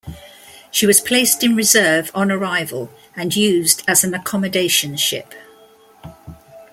She was placed in reserve on arrival and used as an accommodation ship.